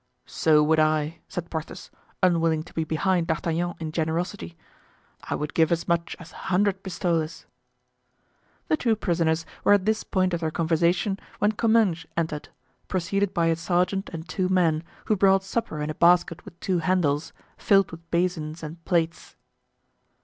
"So would I," said Porthos, unwilling to be behind D'Artagnan in generosity; "I would give as much as a hundred pistoles." The two prisoners were at this point of their conversation when Comminges entered, preceded by a sergeant and two men, who brought supper in a basket with two handles, filled with basins and plates.